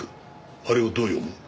あれをどう読む？